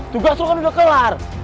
tugas itu kan udah kelar